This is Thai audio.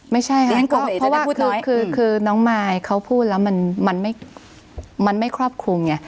ไม่ใช่ค่ะเพราะว่าคือน้องมายเขาพูดแล้วมันไม่ครอบคลุมไง